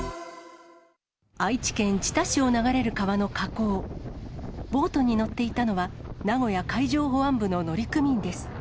愛知県知多市を流れる川の河口、ボートに乗っていたのは、名古屋海上保安部の乗組員です。